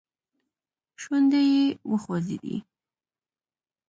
شونډي يې وخوځېدې.